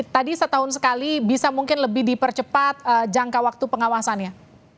tadi setahun sekali bisa mungkin lebih dipercepat jangka waktu pengawasannya